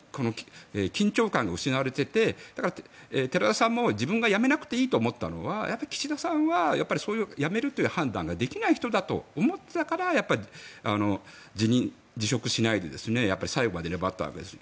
緊張感が失われててだから、寺田さんも自分が辞めなくていいと思ったのは岸田さんがそういう辞めるという判断ができないと思っていたから辞任・辞職しないで最後まで粘ったわけです。